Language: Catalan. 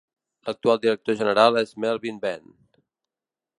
L'actual director general és Melvin Benn.